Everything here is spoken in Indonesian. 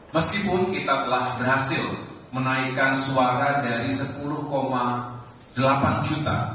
meskipun kita telah berhasil menaikkan suara dari sepuluh delapan juta